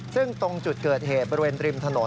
ซึ่งตรงจุดเกิดเหตุบริเวณริมถนน